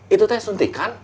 itu teh suntikan